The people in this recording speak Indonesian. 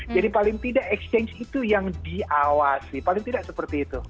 paling tidak exchange itu yang diawasi paling tidak seperti itu